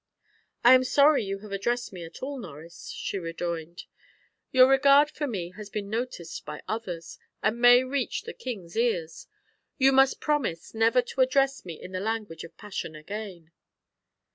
"I am sorry you have addressed me at all, Norris," she rejoined. "Your regard for me has been noticed by others, and may reach the king's ears. You must promise never to address me in the language of passion again."